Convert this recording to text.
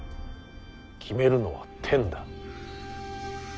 決めるのは天だ。